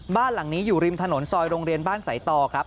บ้านหลังนี้อยู่ริมถนนซอยโรงเรียนบ้านสายต่อครับ